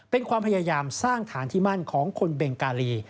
เป็นความพยายามสร้างฐานที่มั่นของคนเบงกาลี